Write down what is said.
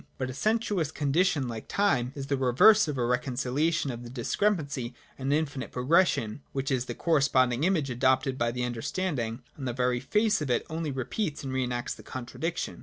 But a sensuous con dition like time is the reverse of a reconciliation of the discrepancy ; and an infinite progression — which is the corresponding image adopted by the understanding — on the very face of it only repeats and re enacts the contradiction.